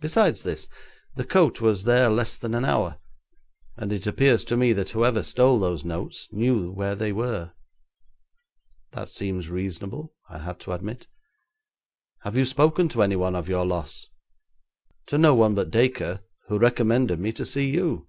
Besides this, the coat was there less than an hour, and it appears to me that whoever stole those notes knew where they were.' 'That seems reasonable,' I had to admit. 'Have you spoken to any one of your loss?'; 'To no one but Dacre, who recommended me to see you.